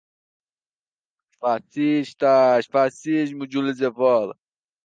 Fascistas, fascismo, Julius Evola